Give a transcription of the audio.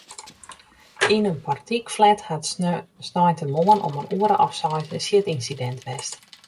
Yn in portykflat hat sneintemoarn om in oere of seis in sjitynsidint west.